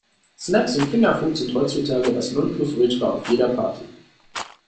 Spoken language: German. Snacks und Fingerfood sind heutzutage das Nonplusultra auf jeder Party.